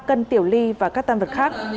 ba cân tiểu ly và các tam vật khác